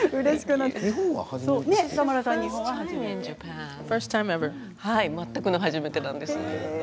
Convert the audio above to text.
日本は全くの初めてなんです。